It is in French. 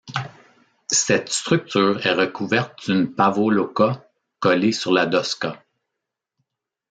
Cette structure est recouverte d'une pavoloka collée sur la doska.